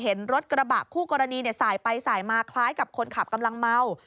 เห็นรถกระบะคู่กรณีสายไปสายมาคล้ายกับคนขับกำลังเมา